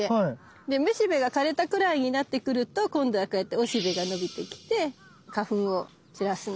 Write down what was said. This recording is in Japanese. でめしべが枯れたくらいになってくると今度はこうやっておしべが伸びてきて花粉を散らすの。